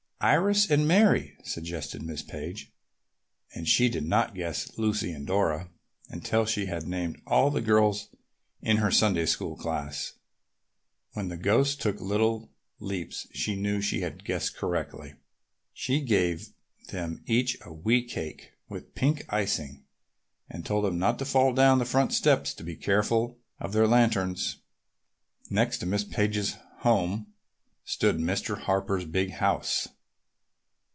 "Iris and Mary," suggested Miss Page, and she did not guess Lucy and Dora until she had named all the girls in her Sunday school class. When the ghosts took little leaps she knew she had guessed correctly. She gave them each a wee cake with pink icing and told them not to fall down the front steps and to be careful of their lanterns. Next to Miss Page's home stood Mr. Harper's big house.